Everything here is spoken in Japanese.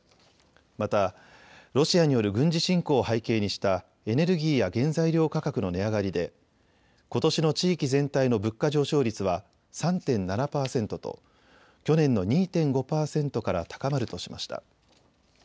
また、ロシアによる軍事侵攻を背景にしたエネルギーや原材料価格の値上がりでことしの地域全体の物価上昇率は３．７％と去年の２．５％から高まるとしました。